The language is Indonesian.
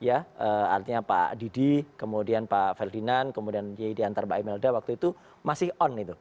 artinya pak didi kemudian pak ferdinand kemudian yediantar mbak imelda waktu itu masih on itu